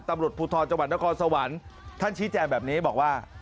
ตำรวจภูทรจังหวัดนครสวรรค์ท่านชี้แจงแบบนี้บอกว่า